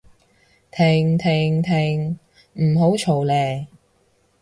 停停停唔好嘈喇